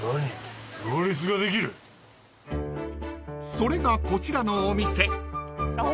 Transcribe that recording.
［それがこちらのお店］